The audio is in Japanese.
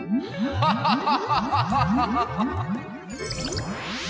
ハハハハハ！